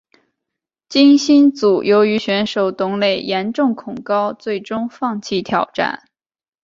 金星组由于选手董蕾严重恐高最终放弃挑战。